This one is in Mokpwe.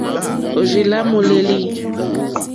Òrzì lá môlélí.